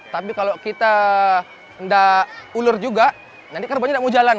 tapi kalau kita tidak ulur juga nanti korbannya tidak mau jalan